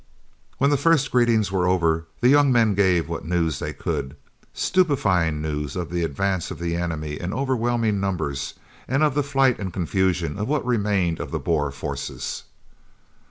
When the first greetings were over, the young men gave what news they could stupefying news of the advance of the enemy in overwhelming numbers, and of the flight and confusion of what remained of the Boer forces.